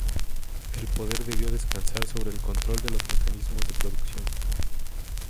El poder debió descansar sobre el control de los mecanismos de producción.